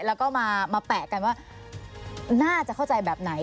แล้วก็มาแปะกันว่าน่าจะเข้าใจแบบไหน